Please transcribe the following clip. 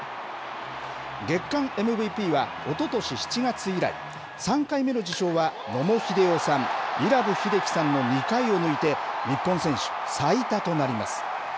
月間ＭＶＰはおととし７月以来、３回目の受賞は野茂英雄さん、伊良部秀輝さんの２回を抜いて、日本選手最多となります。